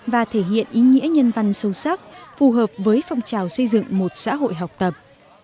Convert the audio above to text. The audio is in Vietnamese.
và thể hiện ý nghĩa nhân văn sâu sắc phù hợp với phong trào xây dựng một xã hội học tập